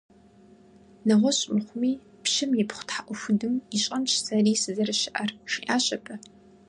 - НэгъуэщӀ мыхъуми, пщым ипхъу тхьэӀухудым ищӀэнщ сэри сызэрыщыӀэр, - жиӀащ абы.